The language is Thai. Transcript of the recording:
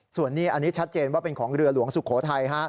ส่วนนี้อันนี้ชัดเจนว่าเป็นของเรือหลวงสุโขทัย